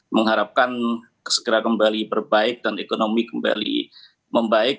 mengharapkan segera kembali perbaik dan ekonomi kembali membaik